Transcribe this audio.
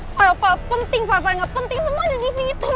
file file penting file file nggak penting semua ada di situ